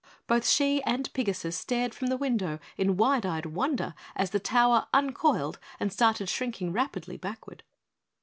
Both she and Pigasus stared from the window in wide eyed wonder as the tower uncoiled and started shrinking rapidly backward.